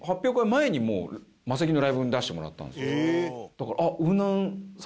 だから。